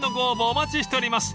お待ちしております］